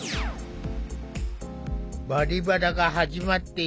「バリバラ」が始まって４年。